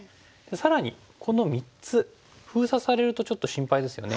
更にこの３つ封鎖されるとちょっと心配ですよね。